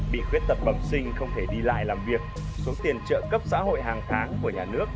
bị khuyết tật bẩm sinh không thể đi lại làm việc số tiền trợ cấp xã hội hàng tháng của nhà nước